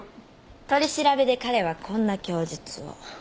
取り調べで彼はこんな供述を。